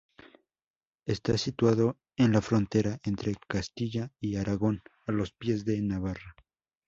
Está situado en la frontera entre Castilla y Aragón, a los pies de Navarra.